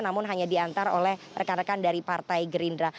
namun hanya diantar oleh rekan rekan dari partai gerindra